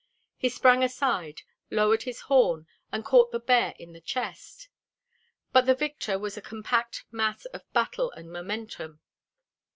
He sprang aside, lowered his horn and caught the bear in the chest. But the victor was a compact mass of battle and momentum.